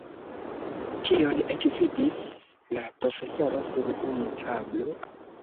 Kion ekvidis la profesoro sur unu tablo?